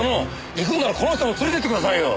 行くならこの人も連れてってくださいよ。